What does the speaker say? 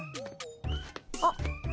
あっ。